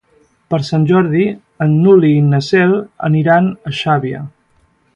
Per Sant Jordi en Juli i na Cel aniran a Xàbia.